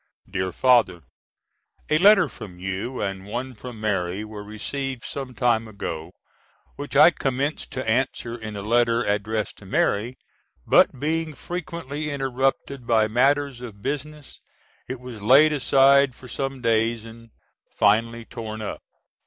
DEAR FATHER: A letter from you and one from Mary were received some time ago, which I commenced to answer in a letter addressed to Mary, but being frequently interrupted by matters of business it was laid aside for some days, and finally torn up.